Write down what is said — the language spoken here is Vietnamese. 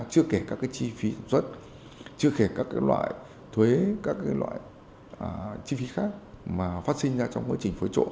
chưa kể các chi phí sản xuất chưa kể các loại thuế các loại chi phí khác